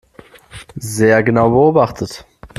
Sehr genau beobachtet.